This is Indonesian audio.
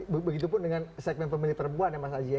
begitupun dengan segmen pemilih perempuan ya mas aji ya